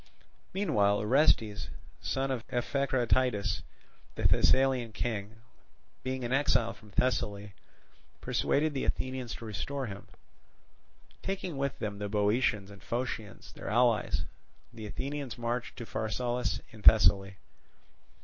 Meanwhile Orestes, son of Echecratidas, the Thessalian king, being an exile from Thessaly, persuaded the Athenians to restore him. Taking with them the Boeotians and Phocians their allies, the Athenians marched to Pharsalus in Thessaly.